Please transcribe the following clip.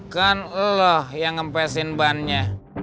kan lo yang ngempesin bannya